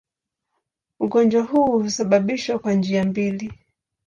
Ugonjwa huu husababishwa kwa njia mbili.